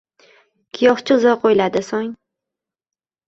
Giyohchi uzoq oʻyladi, soʻng